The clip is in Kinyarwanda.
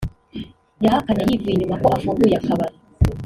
yahakanye yivuye inyuma ko afunguye akabari